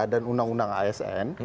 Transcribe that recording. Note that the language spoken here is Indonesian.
dan undang undang asn